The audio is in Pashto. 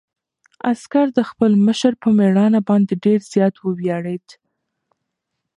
عسکر د خپل مشر په مېړانه باندې ډېر زیات وویاړېد.